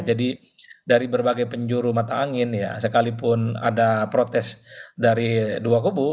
jadi dari berbagai penjuru mata angin ya sekalipun ada protes dari dua kubu